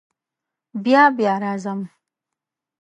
بیا بیا راځم.